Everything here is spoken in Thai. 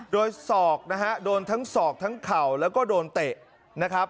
โดยศอกนะฮะโดนทั้งศอกทั้งเข่าแล้วก็โดนเตะนะครับ